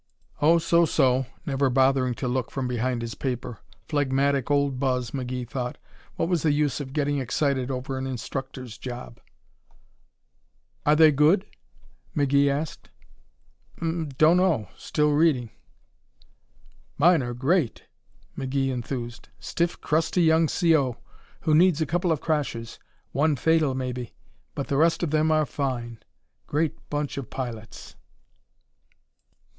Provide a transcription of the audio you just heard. "Oh, so so," never bothering to look from behind his paper. Phlegmatic old Buzz, McGee thought, what was the use of getting excited over an instructor's job? "Are they good?" McGee asked. "Um. Dunno." Still reading. "Mine are great!" McGee enthused. "Stiff, crusty young C.O., who needs a couple of crashes one fatal, maybe but the rest of them are fine. Great bunch of pilots."